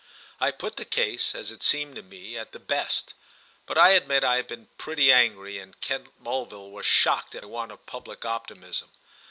I put the case, as it seemed to me, at the best; but I admit I had been angry, and Kent Mulville was shocked at my want of public optimism.